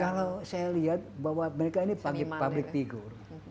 kalau saya lihat bahwa mereka ini public figure